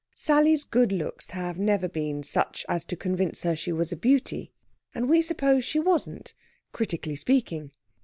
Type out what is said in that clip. Sally's good looks had never been such as to convince her she was a beauty; and we suppose she wasn't, critically speaking.